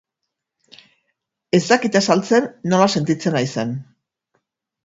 Ez dakit azaltzen nola sentitzen naizen.